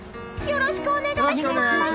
よろしくお願いします！